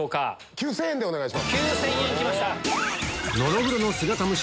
９０００円でお願いします。